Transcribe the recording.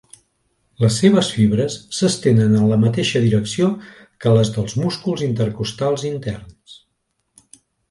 Les seves fibres s'estenen en la mateixa direcció que les dels músculs intercostals interns.